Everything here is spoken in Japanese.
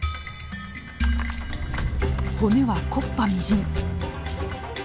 骨は木っ端みじん。